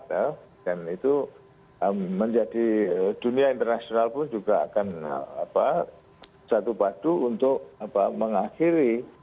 dan itu menjadi dunia internasional pun juga akan satu padu untuk mengakhiri